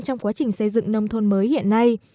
trong quá trình xây dựng nông thôn mới hiện nay